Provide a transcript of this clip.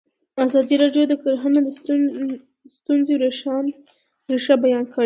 ازادي راډیو د کرهنه د ستونزو رېښه بیان کړې.